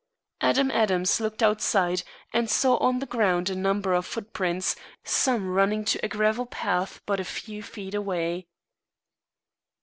Adam Adams looked outside, and saw on the ground a number of footprints, some running to a gravel path but a few feet away.